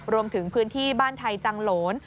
รวมถึงพื้นที่บ้านไทยจังโหลน